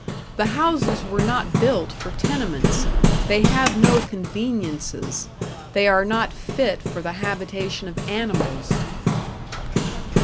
The houses were not built for tenements, they have no conveniences, they are not fit for the habitation of animals.